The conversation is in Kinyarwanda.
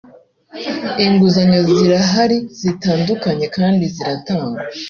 inguzanyo zirahari zitandukanye kandi ziratangwa